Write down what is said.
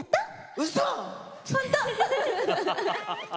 うそ！